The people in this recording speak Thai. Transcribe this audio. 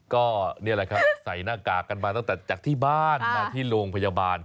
ก็นี่แหละครับใส่หน้ากากกันมาตั้งแต่จากที่บ้านมาที่โรงพยาบาล